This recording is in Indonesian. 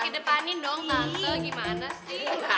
kedepanin dong tante gimana sih